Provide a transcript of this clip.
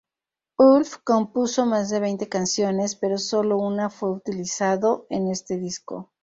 Ulf compuso "más de veinte canciones", pero sólo una fue utilizado en este disco.